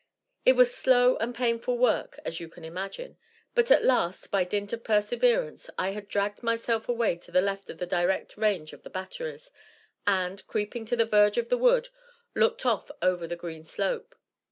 It was slow and painful work, as you can imagine, but at last, by dint of perseverance, I had dragged myself away to the left of the direct range of the batteries, and, creeping to the verge of the wood, looked off over the green slope.